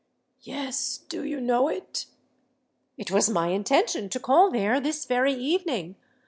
"Yes—do you know it?" "It was my intention to call there this very evening.